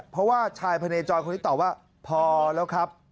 เพราะว่าชายพะเนจอยคนนี้ตอบว่าพอแล้วครับ